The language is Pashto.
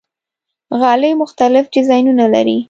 غالۍ مختلف ډیزاینونه لري.